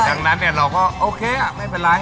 ดังนั้นเนี่ยเราก็โอเคอ่ะไม่เป็นไร